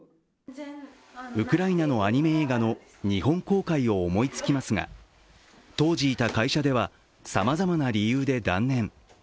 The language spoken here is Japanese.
ウクライナのアニメ映画の日本公開を思いつきますが当時いた会社では、さまざまな理由で断念。